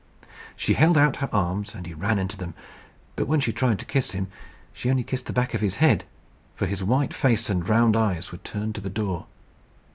She held out her arms, and he ran into them. But when she tried to kiss him, she only kissed the back of his head; for his white face and round eyes were turned to the door.